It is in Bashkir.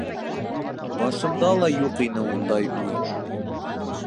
—Башымда ла юҡ ине ундай уй!